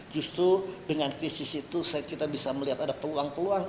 justru dengan krisis itu kita bisa melihat ada peluang peluang